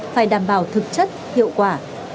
phải đảm bảo thực chất hiệu quả